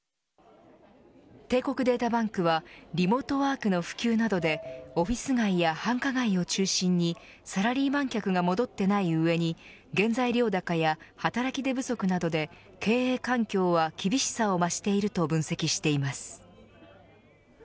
帝国データバンクはリモートワークの普及などでオフィス街や繁華街を中心にサラリーマン客が戻ってない上に原材料高や働き手不足などで経営環境は厳しさを増していると分析しています。